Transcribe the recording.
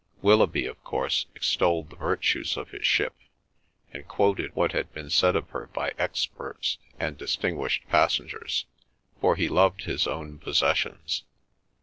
Willoughby, of course, extolled the virtues of his ship, and quoted what had been said of her by experts and distinguished passengers, for he loved his own possessions.